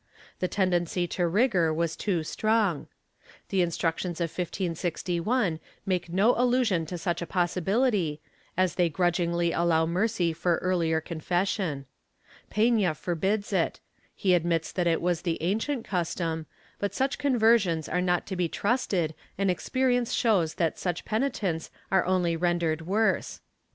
The tendency to rigor was too strong. The Instructions of 1561 make no allusion to such a possibility, as they grudgingly allow mercy for earlier confession. Pena forbids it ; he admits that it was the ancient custom, but such conversions are not to be trusted and experience shows that such penitents are only rendered worse.